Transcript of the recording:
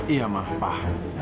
iya ma pak